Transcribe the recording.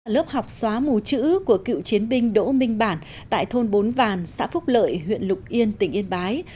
lớp học xóa mù chữ của cựu chiến binh đỗ minh bản tại thôn bốn vàn xã phúc lợi huyện lục yên tỉnh yên bái